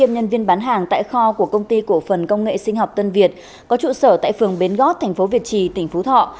một mươi nhân viên bán hàng tại kho của công ty cổ phần công nghệ sinh học tân việt có trụ sở tại phường bến gót thành phố việt trì tỉnh phú thọ